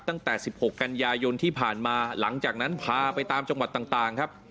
ตั้งแต่๑๖กันยายนที่ผ่านมาหลังจากนั้นพาไปตามจังหวัดต่างครับ